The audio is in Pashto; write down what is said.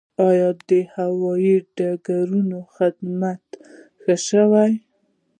آیا د هوایي ډګرونو خدمات ښه شوي؟